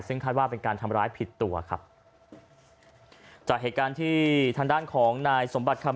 ซึ่งคาดว่าเป็นการทำร้ายผิดตัวครับจากเหตุการณ์ที่ทางด้านของนายสมบัติคำ